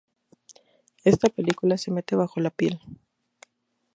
Ésta película se te mete bajo la piel".